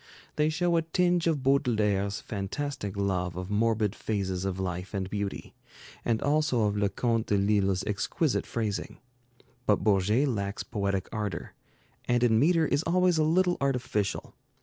They show a tinge of Baudelaire's fantastic love of morbid phases of life and beauty, and also of Leconte de Lisle's exquisite phrasing. But Bourget lacks poetic ardor, and in metre is always a little artificial.